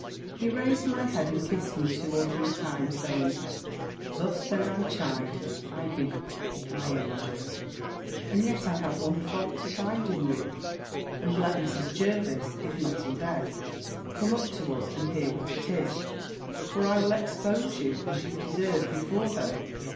He raised my head, and kissed me two or three times, saying, "Thus then I chide, I beat, my angel! And yet I have one fault to find with you, and let Mrs. Jervis, if not in bed, come up to us, and hear what it is; for I will expose you, as you deserve before her."